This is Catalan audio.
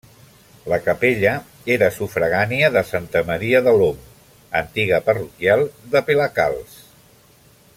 La capella era sufragània de Santa Maria de l'Om, antiga parroquial de Pelacalç.